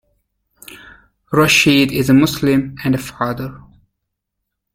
Rasheed is a Muslim and a father.